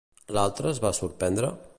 L'altre es va sorprendre?